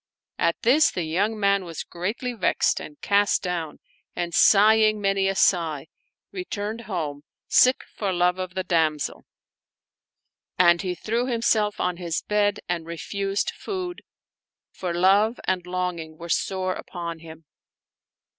At this the young man was greatly vexed and cast down and, sighing many a sigh, returned home, sick for love of the damsel; and he threw himself 137 Oriental Mystery Stories on his bed and refused food, for love and longing were sore upon filim.